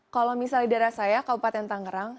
kalau misalnya di daerah saya kabupaten tangerang